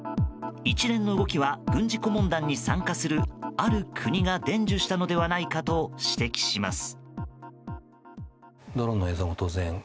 一連の動きは軍事顧問団に参加するある国が伝授したのではないかと指摘します。